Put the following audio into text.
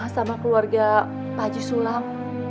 sama keluarga paji sulam